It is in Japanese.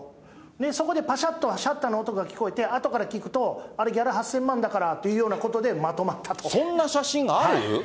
そこでぱしゃっとシャッターの音が聞こえて、あとから聞くと、あれ、ギャラ８０００万だからというようなことで、まとまったと。